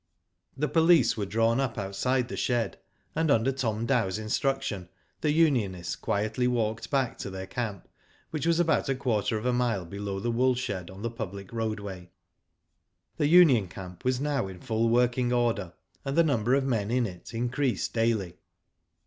The police were drawn up outside the shed, and under Tom Dow's instruction, the unionists quietly walked back to their camp, which was about a quarter of a mile below the wool shed on the public roadway. The union camp was now in full working order, and the number of men in it, increased daily.